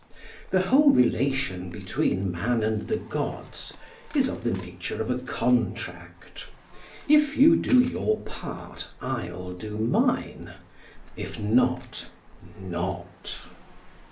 The whole relation between man and the gods is of the nature of a contract. "If you do your part, I'll do mine; if not, not!"